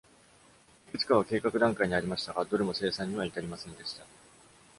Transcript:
いくつかは計画段階にありましたが、どれも生産には至りませんでした。